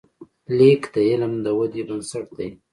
لیک د علم د ودې بنسټ دی.